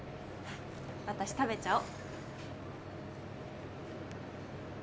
私食べちゃお。